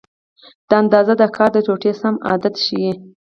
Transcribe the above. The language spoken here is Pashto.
دا اندازه د کار د ټوټې سم عدد ښیي.